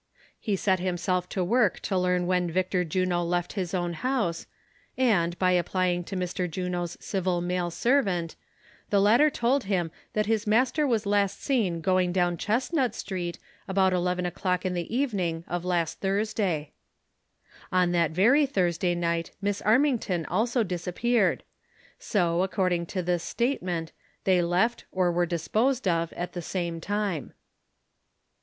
He set himself to work to learn when Victor Juno left his own house ; and by a]>plying to Mr. Juno's civil male servant, the latter told him that his master was last seen 64 THE SOCIAL WAR OF 1900; OR, going dowu Chestnut street, about eleven o'clock in the evening of last Thursday. On that very Thursday night Miss Armington also dis appeared ; so, according to this statement, they left, or were disposed of, at the same time.